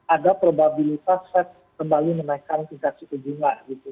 ada probabilitas fed kembali menaikkan tingkat suku bunga gitu